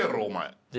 お前。